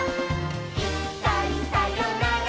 「いっかいさよなら